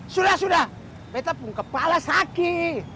sudah sudah petapung kepala sakit